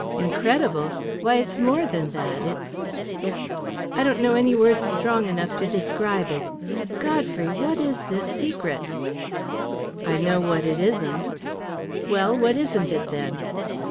"Incredible? Why, it's more than that it's it's I don't know any word strong enough to describe it. Godfrey, what is this secret?" "I know what it isn't." "Well, what isn't it, then?"